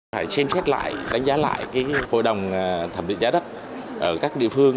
phải xem xét lại đánh giá lại cái hội đồng thẩm định giá đất ở các địa phương